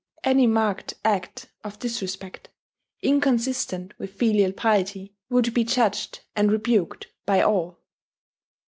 Any marked act of disrespect, inconsistent with filial piety, would be judged and rebuked by, all.